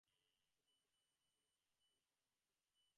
এইজন্যই এই সূত্র বলিতেছে, কারণ থাকিলে তাহার ফল বা কার্য অবশ্যই হইবে।